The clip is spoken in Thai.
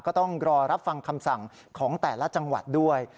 ก็ต้องรอรับฟังคำสั่งของแต่ละจังหวัดด้วย